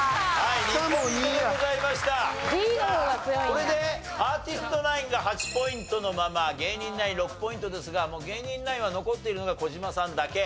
これでアーティストナインが８ポイントのまま芸人ナイン６ポイントですがもう芸人ナインは残っているのが児嶋さんだけ。